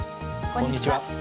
こんにちは。